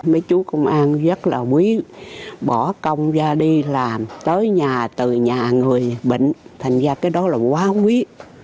mấy chú công an rất là quý bỏ công ra đi làm tới nhà từ nhà người bệnh thành ra cái đó là quá quý